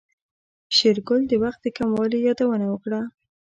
شېرګل د وخت د کموالي يادونه وکړه.